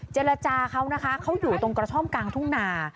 เจรจาเขานะคะเขาอยู่ตรงกระท่อมกลางทุ่งนา